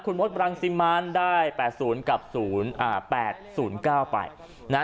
คุณมดบรังสิมันได้๘๐กับ๐๘๐๙ไปนะฮะ